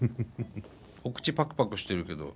お口パクパクしてるけど。